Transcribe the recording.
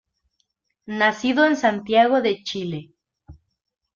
Nacido en Santiago de Chile.